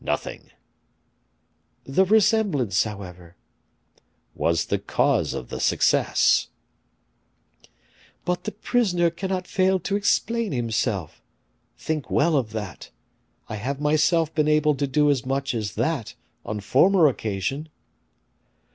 "Nothing." "The resemblance, however " "Was the cause of the success." "But the prisoner cannot fail to explain himself. Think well of that. I have myself been able to do as much as that, on former occasion."